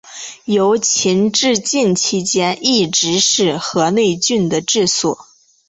由秦至晋期间一直是河内郡的治所。